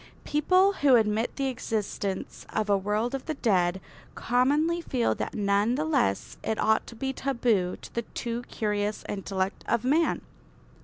People who admit the existence of a world of the dead commonly feel that none the less it ought to be taboo to the too curious intellect of man.